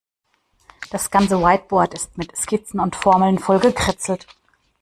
Das ganze Whiteboard ist mit Skizzen und Formeln vollgekritzelt.